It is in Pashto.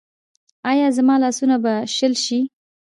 ایا زما لاسونه به شل شي؟